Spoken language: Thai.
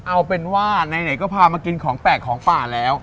เอาเป็นว่าไหนก็พามากินของแปลกของป่าแล้ว